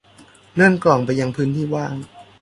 เลื่อนกล่องไปยังพื้นที่ว่าง